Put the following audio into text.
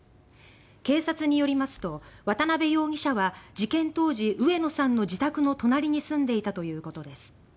警察によりますと渡部容疑者は事件当時上野さんの自宅の隣に住んでいたということです。